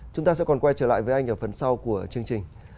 chúng ta sẽ còn quay trở lại với anh ở phần sau của chương trình